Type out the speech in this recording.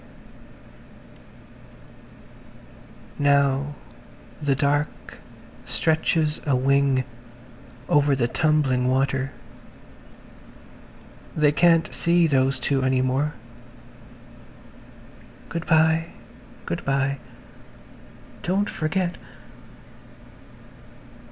[Page 144] Now the dark stretches a wing over the tumbling water. They can't see those two any more. Good bye, good bye. Don't forget.